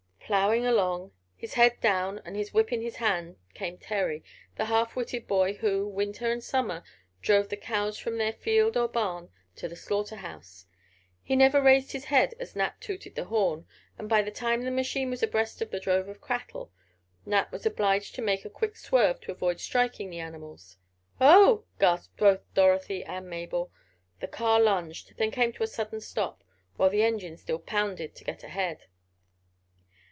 Plowing along, his head down and his whip in hand came Terry, the half witted boy who, Winter and Summer, drove the cows from their field or barn to the slaughter house. He never raised his head as Nat tooted the horn, and by the time the machine was abreast of the drove of cattle, Nat was obliged to make a quick swerve to avoid striking the animals. "Oh!" gasped both Dorothy and Mabel. The car lunged, then came to a sudden stop, while the engine still pounded to get ahead.